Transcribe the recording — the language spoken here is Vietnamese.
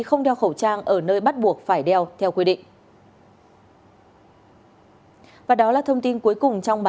không đeo khẩu trang ở nơi bắt buộc phải đeo theo quy định